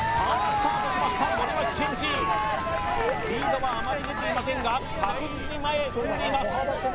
スピードはあまり出ていませんが確実に前へ進んでいます